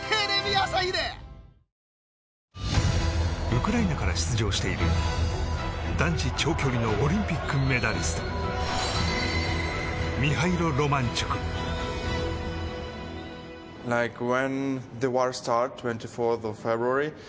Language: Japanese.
ウクライナから出場している男子長距離のオリンピックメダリストミハイロ・ロマンチュク。